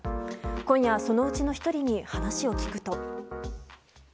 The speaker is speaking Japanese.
今夜、そのうちの１人に話を聞くと。